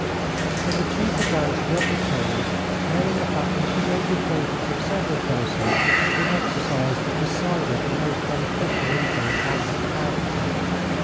But the chief advantage of the change lay in the fact that she made the acquaintance of several persons who exercised a decided and most beneficial influence on her character.